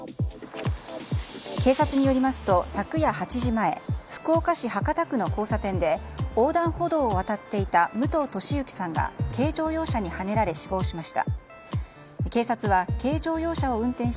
警察によりますと昨夜８時前福岡市博多区の交差点で横断歩道を渡っていた武藤敏行さんが軽乗用車にはねられ死亡しました。